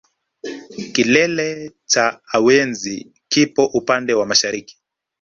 Kilele cha awenzi kipo upande wa mashariki